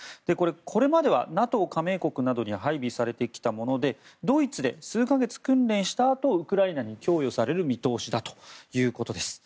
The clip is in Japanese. これまではＮＡＴＯ加盟国などに配備されてきたものでドイツで数か月訓練したあとウクライナに供与される見通しだということです。